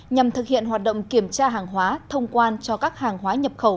nhằm thực hiện hoạt động kiểm tra hàng hóa thông quan cho các hàng hóa nhập khẩu